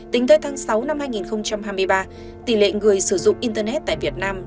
tính tới tháng sáu năm hai nghìn hai mươi ba tỷ lệ người sử dụng internet tại việt nam